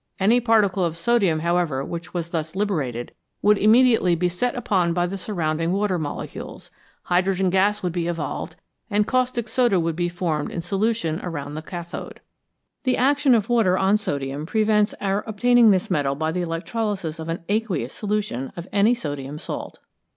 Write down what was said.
Any particle of sodium, however, which was thus liberated, would immediately be set upon by the surrounding water molecules ; hydrogen gas would be evolved, and caustic soda would be formed in solution round the cathode. The action of water on sodium prevents our obtaining this metal by the electrolysis of an aqueous solution of any sodium salt.